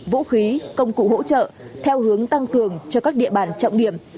vũ khí công cụ hỗ trợ theo hướng tăng cường cho các địa bàn trọng điểm